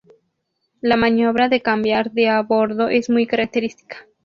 La maniobra de cambiar de a bordo es muy característica.